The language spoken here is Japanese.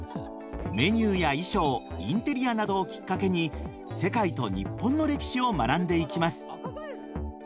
メニューや衣装インテリアなどをきっかけに世界と日本の歴史を学んでいきます。